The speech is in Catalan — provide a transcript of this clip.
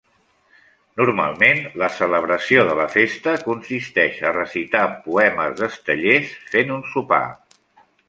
Normalment, la celebració de la festa consisteix a recitar poemes d'Estellés fent un sopar.